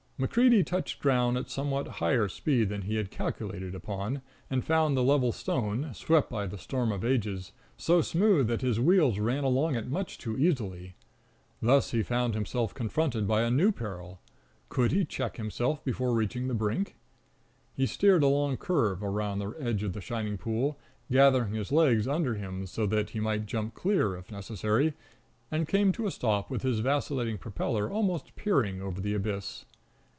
MacCreedy touched ground at somewhat higher speed than he had calculated upon, and found the level stone, swept by the storm of ages, so smooth that his wheels ran along it much too easily. Thus he found himself confronted by a new peril. Could he check himself before reaching the brink? He steered a long curve around the edge of the shining pool, gathered his legs under him so that he might jump clear, if necessary, and came to a stop with his vacillating propeller almost peering over the abyss.